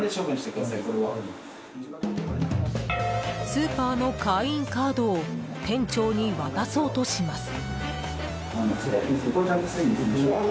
スーパーの会員カードを店長に渡そうとします。